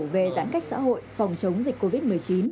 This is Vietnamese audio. về giãn cách xã hội phòng chống dịch covid một mươi chín